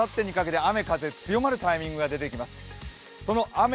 明日からあさってにかけて雨風強まるタイミングが出てきます。